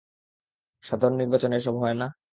সাধারন নির্বাচনে এসব হয় না?